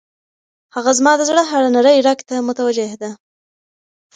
هغه زما د زړه هر نري رګ ته متوجه ده.